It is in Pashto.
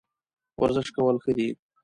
ورزش کول ښه دي